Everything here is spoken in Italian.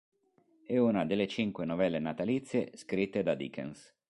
È una delle cinque novelle natalizie scritte da Dickens.